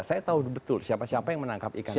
saya tahu betul siapa siapa yang menangkap ikan ini